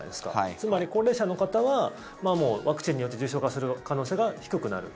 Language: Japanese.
つまり高齢者の方はもうワクチンによって重症化する可能性が低くなる。